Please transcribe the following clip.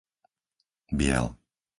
Biel